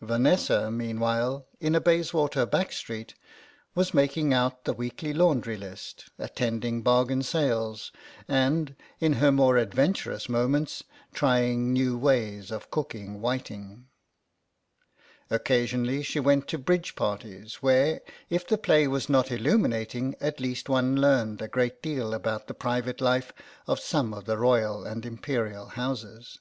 Vanessa, meanwhile, in a Bayswater back street, was making out the weekly laundry list, attending bargain sales, and, in her more adventurous moments, trying new ways of cooking whiting. ■ 96 CROSS CURRENTS Occasionally she went to bridge parties, where, if the play was not illuminating, at least one learned a great deal about the private life of some of the Royal and Imperial Houses.